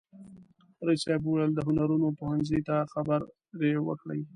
رئیس صاحب وویل د هنرونو پوهنځي ته خبرې وکړي.